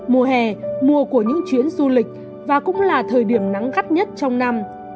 mùa hè mùa của những chuyến du lịch và cũng là thời điểm nắng gắt nhất trong năm